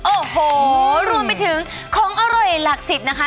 โอ้โหรวมไปถึงของอร่อยหลักสิบนะคะ